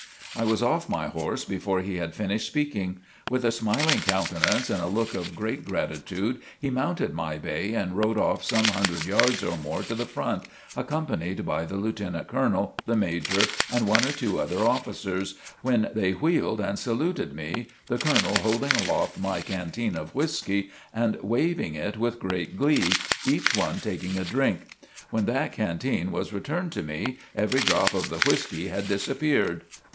I was off my horse before he had finished speaking. With a smiling countenance and a look of great gratitude he mounted my bay and rode off some hundred yards or more to the front, accompanied by the lieutenant colonel, the major and one or two other officers when they wheeled and saluted me, the colonel holding aloft my canteen of whiskey and waving it with great glee, each one taking a drink. When that canteen was returned to me every drop of the whiskey had disappeared.